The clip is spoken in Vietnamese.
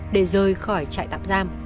để rời khỏi trại tạm giam